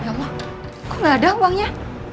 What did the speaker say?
ya allah kok gak ada uangnya